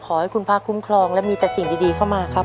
ขอให้คุณพระคุ้มครองและมีแต่สิ่งดีเข้ามาครับ